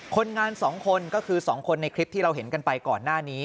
คนงาน๒คนก็คือ๒คนในคลิปที่เราเห็นกันไปก่อนหน้านี้